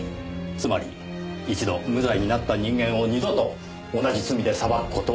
つまり一度無罪になった人間を二度と同じ罪で裁く事は出来ない。